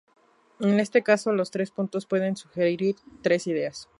En este caso los tres puntos pueden sugerir tres ideas.